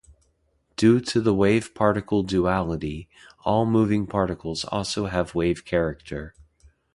Due to the wave-particle duality, all moving particles also have wave character.